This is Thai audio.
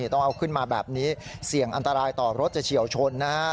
ต้องเอาขึ้นมาแบบนี้เสี่ยงอันตรายต่อรถจะเฉียวชนนะฮะ